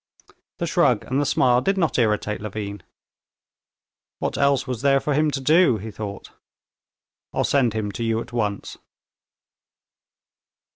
The shrug and the smile did not irritate Levin. "What else was there for him to do?" he thought. "I'll send him to you at once."